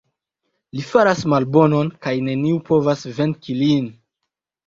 Li faras malbonon kaj neniu povas venki lin.